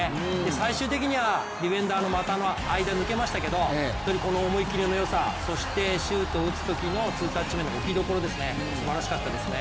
最終的にはディフェンダーの股の間を抜けましたから本当にこの思い切りの良さそしてシュート打つときのツータッチ目の置き所ですね、すばらしかったですね。